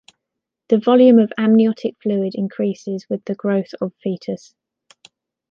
The volume of amniotic fluid increases with the growth of fetus.